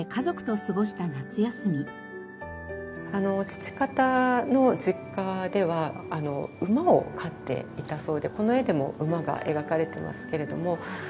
父方の実家では馬を飼っていたそうでこの絵でも馬が描かれてますけれども。